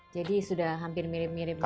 jadi sudah hampir mirip mirip dengan